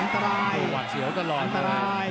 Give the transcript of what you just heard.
อันตรายอันตราย